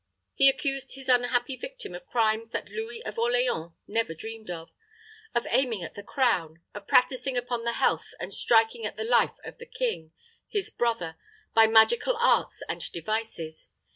He accused his unhappy victim of crimes that Louis of Orleans never dreamed of of aiming at the crown of practicing upon the health and striking at the life of the king, his brother, by magical arts and devices.